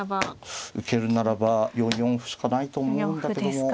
受けるならば４四歩しかないと思うんだけども。